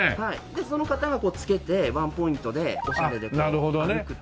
でその方が着けてワンポイントでおしゃれでこう歩くっていう。